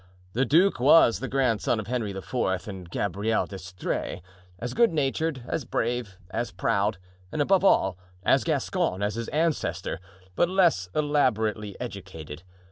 The duke was the grandson of Henry IV. and Gabrielle d'Estrees—as good natured, as brave, as proud, and above all, as Gascon as his ancestor, but less elaborately educated.